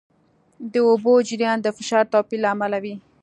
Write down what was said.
د اوبو جریان د فشار توپیر له امله وي.